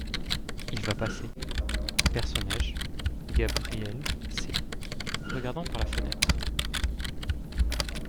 Il va passer. {{personnage|GAB RIELLE.|c}} regardant par la fenêtre.